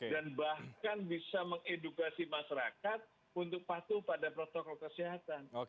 dan bahkan bisa mengedukasi masyarakat untuk patuh pada protokol kesehatan